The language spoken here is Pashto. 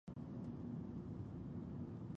د هرې مېرمنې په سر د عزت ټیکری وساتئ.